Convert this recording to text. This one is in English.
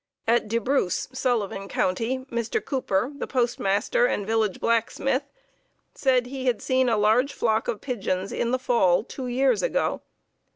At De Bruce, Sullivan County, Mr. Cooper, the postmaster and village blacksmith, said he had seen a large flock of pigeons in the fall two years ago.